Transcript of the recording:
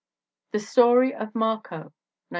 The Story of Marco, 1911.